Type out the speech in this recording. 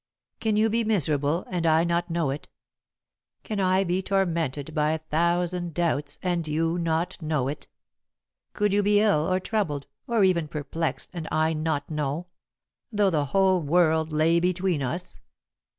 Can you be miserable, and I not know it? Can I be tormented by a thousand doubts, and you not know it? Could you be ill, or troubled, or even perplexed, and I not know, though the whole world lay between us?